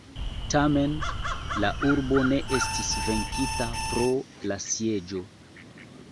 Tamen la urbo ne estis venkita pro la sieĝo.